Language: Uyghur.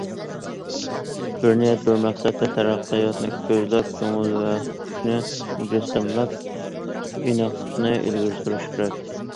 بىر نىيەت، بىر مەقسەتتە تەرەققىياتنى كۆزلەپ، كۆڭۈل ۋە كۈچنى مۇجەسسەملەپ ئىناقلىقنى ئىلگىرى سۈرۈش كېرەك.